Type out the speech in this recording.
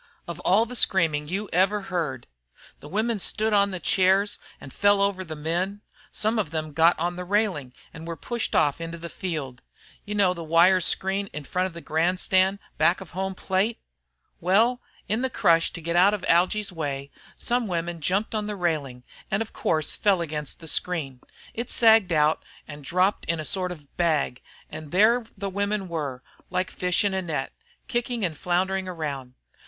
Of all the screaming you ever heard! The women stood on the chairs and fell all over the men. Some of them got on the railing and were pushed off into the field. You know the wire screen in front of the grandstand back of the home plate? Well, in the crush to get out of Algy's way some women jumped on the railing and of course fell up against the screen. It sagged out and dropped down in a sort of bag, and there the women were like fish in a net, kicking and floundering round.